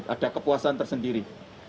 ada kepuasan tersendiri